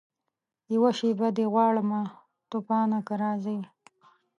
یوه شېبه دي غواړمه توپانه که راځې